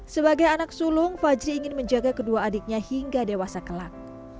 sebagai anak sulung fajri ingin menjaga kedua adiknya hingga dewasa kelak